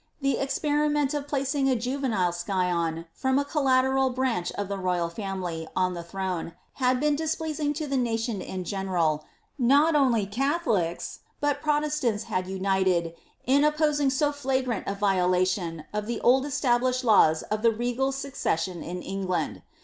The experiment of placing a juvenile scion, from a collateral blanch of the royal family, on the throne, had been displeasing to the nation ia general ; not only Catholics, but Protestants had united, in opposing so flagrant a violation of the old established laws of the regal voccession in EUigland.